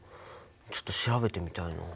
ちょっと調べてみたいな。